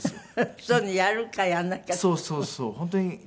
そういうのやるかやらないか。